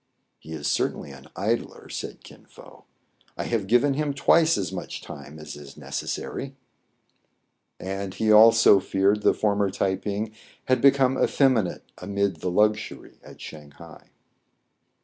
"He is certainly an idler," said Kin Fo. "I have given him twice as much time as is neces sary." And he also feared the former Tai ping had become effeminate amid the luxury at Shang hai.